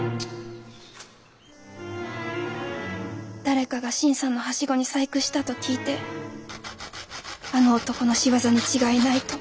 誰かが新さんのハシゴに細工したと聞いてあの男の仕業に違いないと。